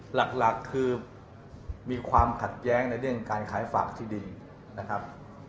หลักคือมีความขัดแย้งในเรื่องการขายฝากที่ดินนะครับ